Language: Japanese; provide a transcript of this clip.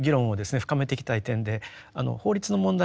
深めていきたい点で法律の問題